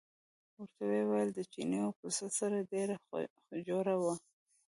ورته ویې ویل د چیني او پسه سره ډېره جوړه وه.